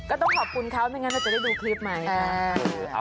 ก็ต้องขอบคุณเขาไม่งั้นเราจะได้ดูคลิปไหม